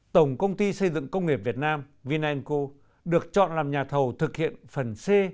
tổng công ty xây dựng công nghiệp việt nam vinanco được chọn làm nhà thầu thực hiện phần c